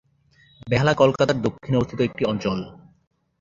বেহালা কলকাতার দক্ষিণে অবস্থিত একটি অঞ্চল।